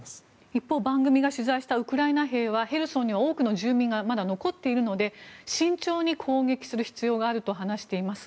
一方、番組が取材したウクライナ兵はヘルソンには多くの住民が残っているので慎重に攻撃する必要があると話しています。